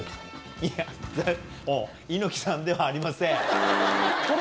いや、猪木さんではありません。